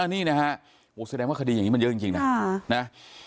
นี่นะฮะแสดงว่าคดีอย่างนี้มันเยอะจริงนะ